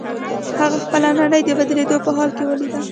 هغه خپله نړۍ د بدلېدو په حال کې وليده.